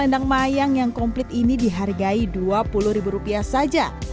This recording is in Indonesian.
selendang mayang yang komplit ini dihargai dua puluh ribu rupiah saja